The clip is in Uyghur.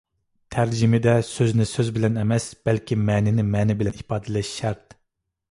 تەرجىمىدە «سۆزنى سۆز بىلەن» ئەمەس، بەلكى «مەنىنى مەنە بىلەن» ئىپادىلەش شەرت.